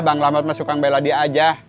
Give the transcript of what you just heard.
bang lamot suka belanya dia